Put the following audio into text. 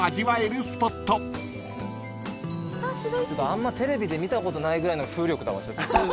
あんまテレビで見たことないぐらいの風力だわ。